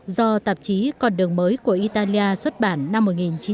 do tạp chí con đường mới của italia xuất bản năm một nghìn chín trăm sáu mươi tám